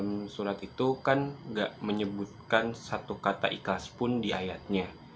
kalau kita baca surat al ikhlas dalam surat itu kan gak menyebutkan satu kata ikhlas pun di ayatnya